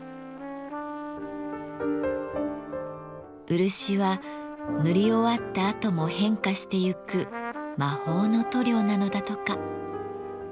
漆は塗り終わったあとも変化してゆく魔法の塗料なのだとか。